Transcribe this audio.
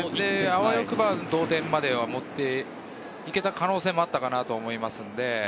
あわよくば同点まで持っていけた可能性もあったかなと思います。